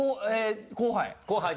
後輩？